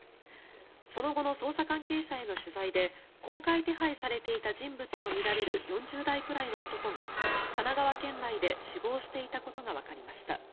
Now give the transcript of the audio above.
その後の捜査関係者への取材で公開手配されていた人物とみられる４０代くらいの男が神奈川県内で死亡していたことがわかりました。